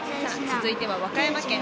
続いては和歌山県。